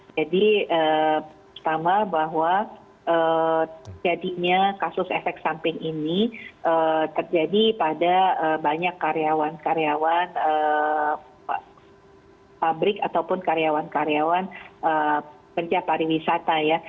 jadi pertama bahwa jadinya kasus efek samping ini terjadi pada banyak karyawan karyawan pabrik ataupun karyawan karyawan penjahat pariwisata ya